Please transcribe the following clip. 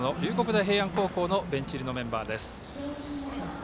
大平安高校のベンチ入りのメンバーです。